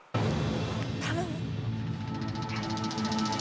頼む。